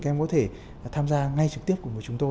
các em có thể tham gia ngay trực tiếp cùng với chúng tôi